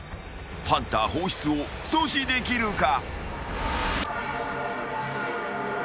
ハンター放出を阻止できるか？］